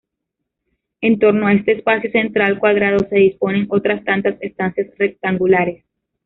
En torno a este espacio central cuadrado se disponen otras tantas estancias rectangulares.